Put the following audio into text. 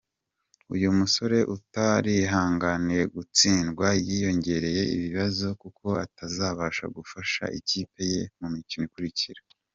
Uyu musore utarihanganiye gutsindwa yiyongereye Ibibazo kuko atazabasha gufasha ikipe ye mu mikino ikurikira.